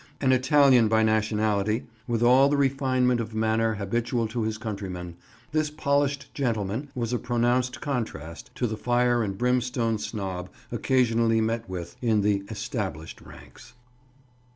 An Italian by nationality, with all the refinement of manner habitual to his countrymen, this polished gentleman was a pronounced contrast to the fire and brimstone snob occasionally met with in the "Established" ranks.